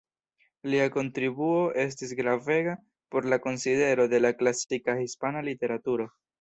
Lia kontribuo estis gravega por la konsidero de la klasika hispana literaturo.